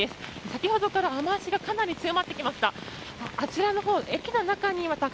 先ほどから雨脚がかなり強まってきました。